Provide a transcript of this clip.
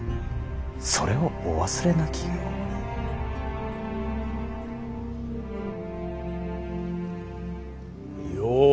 それをお忘れなきよう。